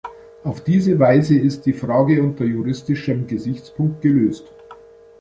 Auf diese Weise ist die Frage unter juristischem Gesichtspunkt gelöst.